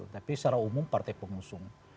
tapi secara umum partai pengusung